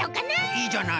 いいじゃない。